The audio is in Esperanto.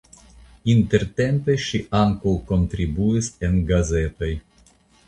Intertempe ŝi ankaŭ kontribuis en gazetoj.